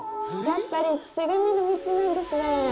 やっぱり、ツグミの道なんですね。